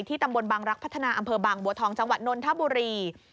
ตำบลบังรักพัฒนาอำเภอบางบัวทองจังหวัดนนทบุรี